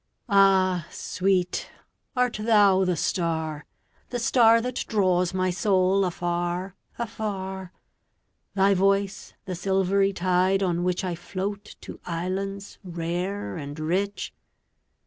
Ah, sweet, art thou the star, the starThat draws my soul afar, afar? Thy voice the silvery tide on whichI float to islands rare and rich?